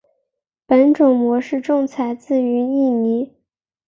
本种模式种采自于印尼。